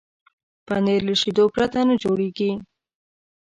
پنېر له شیدو پرته نه جوړېږي.